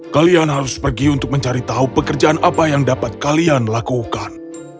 kalian harus pergi untuk mencari tahu pekerjaan apa yang dapat kalian lakukan